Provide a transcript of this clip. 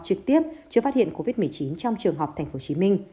trực tiếp chưa phát hiện covid một mươi chín trong trường học tp hcm